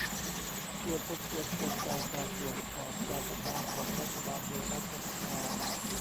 ชวนทบทวนกลไกการตรวจสอบการทำงานของรัฐบาลโดยรัฐสภา